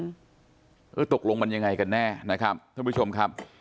ตกลงมันยังไงกันแน่นะครับท่านผู้ชมครับ